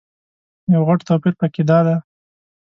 یو غټ توپیر په کې دادی.